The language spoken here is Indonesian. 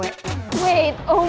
tunggu ya tuhan